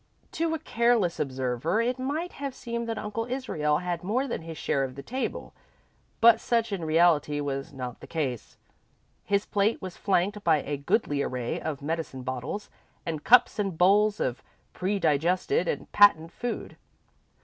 To a careless observer, it might have seemed that Uncle Israel had more than his share of the table, but such in reality was not the case. His plate was flanked by a goodly array of medicine bottles, and cups and bowls of predigested and patent food.